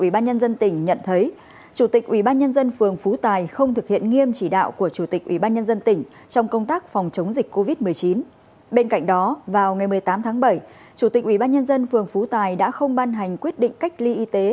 bên cạnh đó vào ngày một mươi tám tháng bảy chủ tịch ubnd phường phú tài đã không ban hành quyết định cách ly y tế